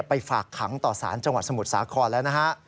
ฝากขังต่อสารจังหวัดสมุทรสาครแล้วนะฮะ